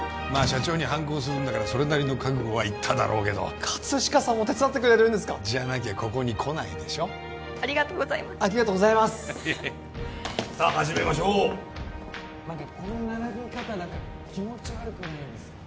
社長に反抗するんだからそれなりの覚悟はいっただろうけど葛飾さんも手伝ってくれるんですかじゃなきゃここに来ないでしょありがとうございますありがとうございますさあ始めましょう何かこの並び方何か気持ち悪くないですか？